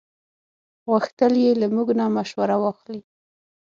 غوښتل یې له موږ نه مشوره واخلي.